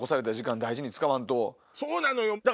そうなのよ！